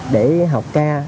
để học ca